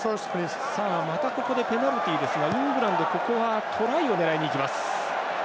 またここでペナルティですがイングランド、ここはトライを狙いにいきました。